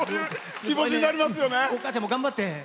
お母ちゃんも頑張って。